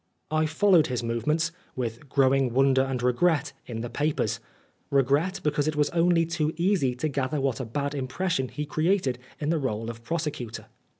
I followed his movements, with growing wonder and regret, in the papers, regret, because it was only too easy to gather what a bad impression he created in the r61e of prosecutor.